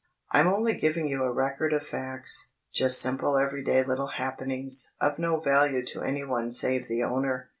I'm only giving you a record of facts, just simple everyday little happenings "of no value to anyone save the owner."